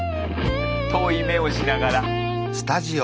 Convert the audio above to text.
遠い目をしながら。